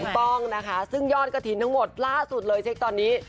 ถูกต้องซึ่งย่อดกะทินทั้งหมดล่าสุดเลยเช็คตอนนี้